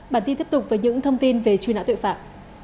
bản tin tiếp tục với những thông tin về truy nã tội phạm